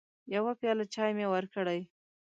يوه پياله چايي مې وکړې